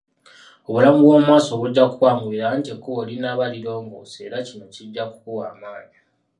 Obulamu bw'omu maaso bujja kukwanguyira, anti ekkubo linaaba lirongoose era kino kijja kukuwa amaanyi.